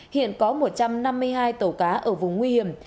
hiện có một trăm năm mươi hai tàu cá ở vùng nguy hiểm